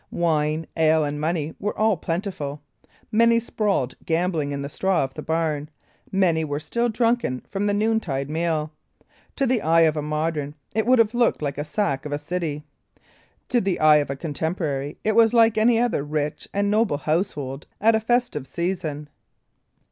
Wine, ale, and money were all plentiful; many sprawled gambling in the straw of the barn, many were still drunken from the noontide meal. To the eye of a modern it would have looked like the sack of a city; to the eye of a contemporary it was like any other rich and noble household at a festive season.